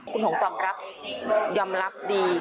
คุณหงษ์ตอบรับยำรับดีค่ะ